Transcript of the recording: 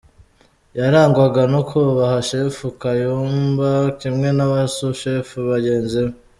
Yarangwaga no kubaha Shefu Kayumba kimwe n’abasushefu bagenzi be.